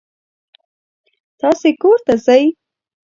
تاسې کور ته ځئ.